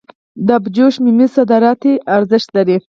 د ابجوش ممیز صادراتي ارزښت لري.